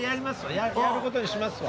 やることにしますわ。